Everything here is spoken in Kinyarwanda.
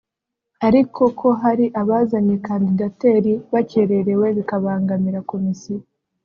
ariko ko hari abazanye kandidatire bakererewe bikabangamira Komisiyo